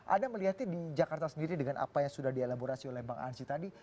anda melihatnya di jakarta sendiri dengan apa yang sudah dielaborasi oleh bang ansyi tadi